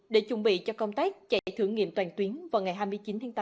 để chuẩn bị cho công tác chạy thử nghiệm toàn tuyến vào ngày hai mươi chín tháng tám